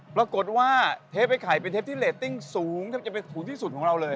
ปรากฏว่าเทปไอ้ไข่เป็นเทปที่เรตติ้งสูงแทบจะเป็นสูงที่สุดของเราเลย